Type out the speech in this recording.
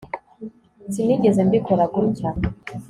Sinigeze mbikora gutya